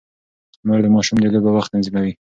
مور د ماشوم د لوبو وخت تنظیموي.